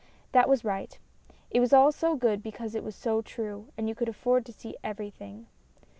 That was right. It was all so good because it was so true, and you could afford to see everything.